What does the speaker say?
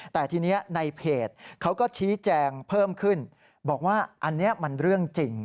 แต่ทีนี้ในเพจเขาก็ชี้แจงเพิ่มขึ้นบอกว่าอันนี้มันเรื่องจริง